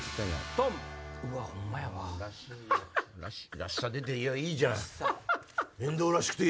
らしさ出ていいじゃん。